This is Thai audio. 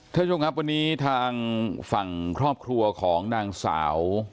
เธอช่วงครับวันนี้ทางฝั่งครอบครัวของนางสาว